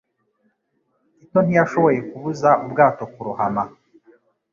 Tito ntiyashoboye kubuza ubwato kurohama.